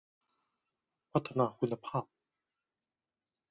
พัฒนาคุณภาพ